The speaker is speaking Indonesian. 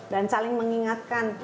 dan saling mengingatkan